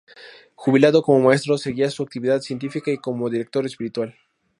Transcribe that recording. Jubilado como maestro, seguía su actividad científica y como director espiritual.